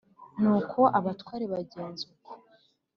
Nuko abatware bagenza uko